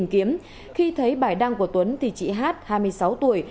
khi thấy bài đăng của tuấn thì chị hát hai mươi sáu tuổi